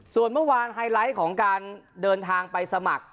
ส่วนเมื่อวานไฮไลท์ของการเดินทางไปสมัคร